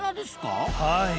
はい。